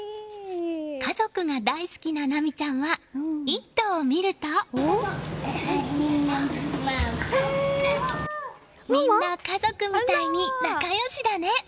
家族が大好きな那美ちゃんは「イット！」を見るとみんな家族みたいに仲良しだね。